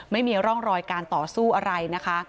ไม่มีร่องรอยการต่อสู้อะไรนะคะ